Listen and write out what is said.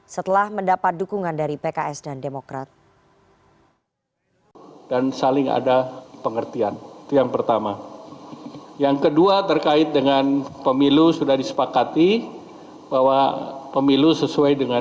setelah mendapatkan tiket untuk pilpres